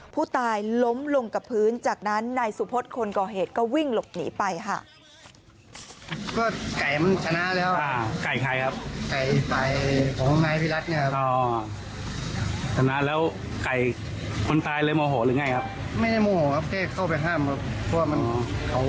ผู้ตายล้มลงกับพื้นจากนั้นนายสุพธคนก่อเหตุก็วิ่งหลบหนีไปค่ะ